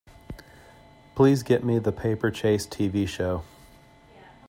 Please get me The Paper Chase TV show.